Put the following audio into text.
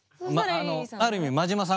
あのある意味真島さん